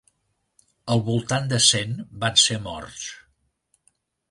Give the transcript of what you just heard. Al voltant de cent van ser morts.